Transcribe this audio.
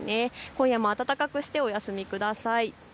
今夜も暖かくしてお休みください。